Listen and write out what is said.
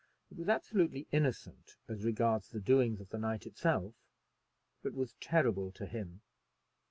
It was absolutely innocent as regarded the doings of the night itself, but was terrible to him.